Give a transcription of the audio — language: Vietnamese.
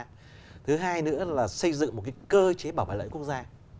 cái thứ hai nữa là xây dựng một cái cơ chế bảo vệ lợi quốc gia